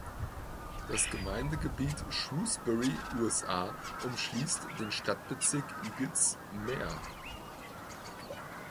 Das Gemeindegebiet Shrewsbury, USA, umschließt den Stadtbezirk Eagles Mere.